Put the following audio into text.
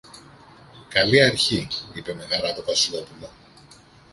Καλή αρχή! είπε με χαρά το Βασιλόπουλο.